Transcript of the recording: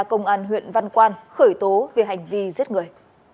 công an huyện văn quan khởi tố về hành vi giết người